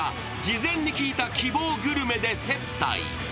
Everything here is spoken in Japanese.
事前に聞いた希望グルメで接待。